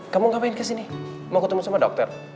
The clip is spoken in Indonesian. kamu ngapain kesini mau ketemu sama dokter